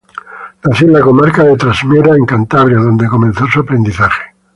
Nació en la comarca de Trasmiera en Cantabria, donde comenzó su aprendizaje.